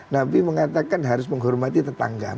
nabi mengatakan harus menghormati orang lain